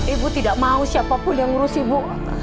ibu tidak mau siapa pun yang ngurus ibu